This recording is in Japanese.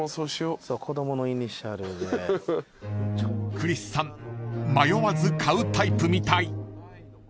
［クリスさん迷わず買うタイプみたい］